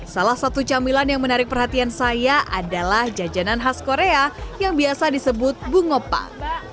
salah satu camilan yang menarik perhatian saya adalah jajanan khas korea yang biasa disebut bungopang